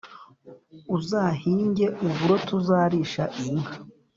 Uzahinge uburo tuzarisha iyi nka"